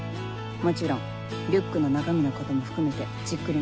もちろんリュックの中身のことも含めてじっくりね。